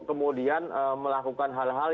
kemudian melakukan hal hal